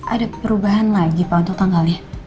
ada perubahan lagi pak untuk tanggalnya